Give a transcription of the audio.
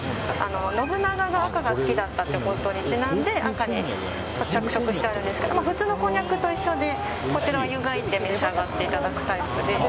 信長が赤が好きだったことにちなんで赤に着色してあるんですが普通のこんにゃくと一緒でゆがいて召し上がっていただくタイプで。